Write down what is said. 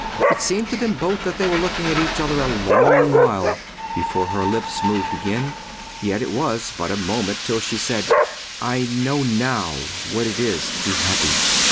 It seemed to them both that they were looking at each other a long while before her lips moved again; yet it was but a moment till she said, "I know now what it is to be happy."